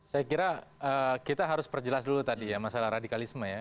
saya kira kita harus perjelas dulu tadi ya masalah radikalisme ya